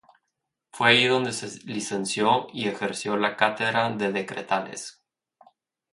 Fue allí donde se licenció y ejerció la cátedra de Decretales.